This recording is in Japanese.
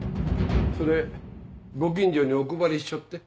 それご近所にお配りしちょって。